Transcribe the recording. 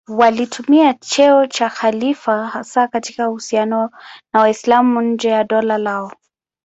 Walitumia cheo cha khalifa hasa katika uhusiano na Waislamu nje ya dola lao.